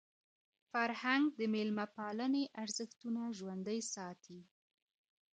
فرهنګ د میلمه پالني ارزښتونه ژوندۍ ساتي.